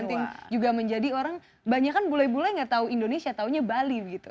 yang penting juga menjadi orang banyak kan bule bule nggak tahu indonesia tahunya bali gitu